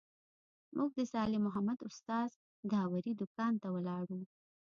موږ د صالح محمد استاد داوري دوکان ته ولاړو.